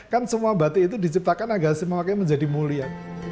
kan semua batik itu diciptakan agar semuanya menjadi mulia